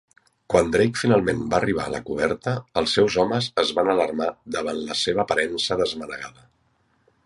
Quan Drake finalment va arribar a la coberta, els seus homes es van alarmar davant la seva aparença desmanegada.